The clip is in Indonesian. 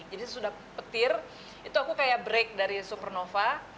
jadi setelah petir itu aku kayak break dari supernova